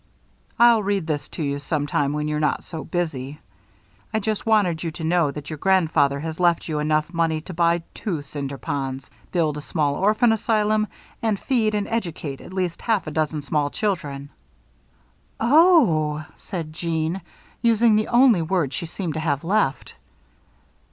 "I'll read this to you sometime when you're not so busy. I just wanted you to know that your grandfather has left you enough money to buy two Cinder Ponds, build a small orphan asylum, and feed and educate at least half a dozen small children." "Oh!" said Jeanne, using the only word she seemed to have left.